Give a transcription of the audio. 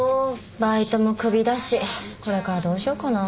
バイトもクビだしこれからどうしようかな。